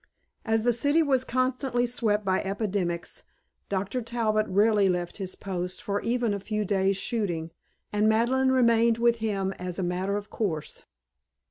As the city was constantly swept by epidemics Dr. Talbot rarely left his post for even a few days' shooting, and Madeleine remained with him as a matter of course.